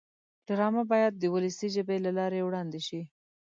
ډرامه باید د ولسي ژبې له لارې وړاندې شي